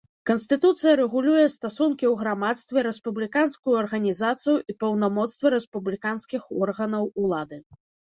Канстытуцыя рэгулюе стасункі ў грамадстве, рэспубліканскую арганізацыю і паўнамоцтвы рэспубліканскіх органаў улады.